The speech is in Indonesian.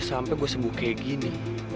sampai gue sembuh kayak gini